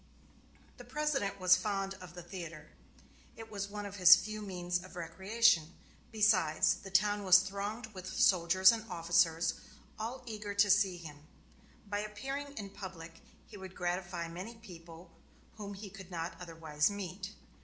The President was fond of the theater. It was one of his few means of recreation. Besides, the town was thronged with soldiers and officers, all eager to see him; by appearing in public he would gratify many people whom he could not otherwise meet.